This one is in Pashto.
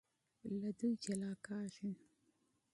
له دوی بېلېږي.